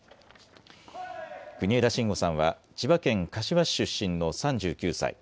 国枝慎吾さんは千葉県柏市出身の３９歳。